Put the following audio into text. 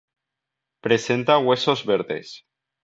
Presenta huesos verdes.